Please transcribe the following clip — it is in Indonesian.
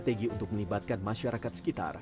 terus dia akan cari bertina